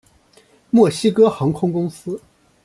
墨西哥航空公司。